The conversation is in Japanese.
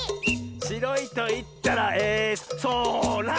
「しろいといったらえそら！」